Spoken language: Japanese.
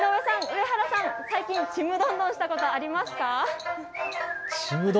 井上さん、上原さん、最近ちむどんどんしたことありますか。